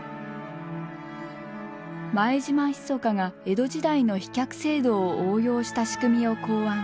前島密が江戸時代の飛脚制度を応用した仕組みを考案。